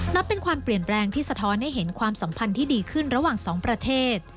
นับเป็นความเปลี่ยนแปลงที่สะท้อนให้เห็นความสัมพันธ์ที่ดีขึ้นระหว่างสองประเทศ